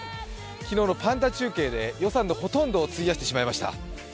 昨日のパンダ中継で予算のほとんどを費やしてしまいました。